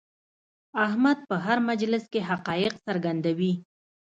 احمد په هر مجلس کې حقایق څرګندوي.